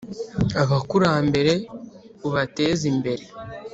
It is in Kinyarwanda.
Abakurambere ubateze imbere